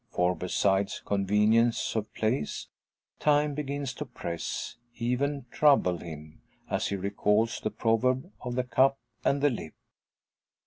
For, besides convenience of place, time begins to press, even trouble him, as he recalls the proverb of the cup and the lip.